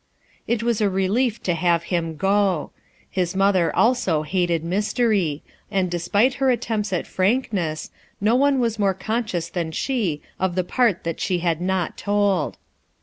It was a relief to have him go His mother also hated mystery; and despite her attempts at frankness, no one was more conscious than she of the part that she had not told.